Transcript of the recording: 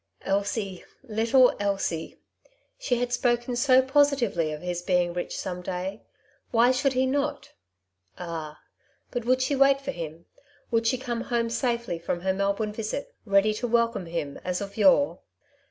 Elsie, little Elsie ! She had spoken so positively of his being rich some day. Why should he not ? 1/2 " Two Sides to every Question ^^ Ah ! but would she wait for him ? would she come home safely from her Melbourne visit, ready to welcome him as of yore